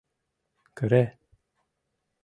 Кыре!